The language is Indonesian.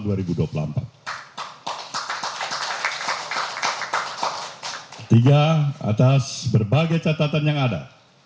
tiga atas berbagai catatan yang ada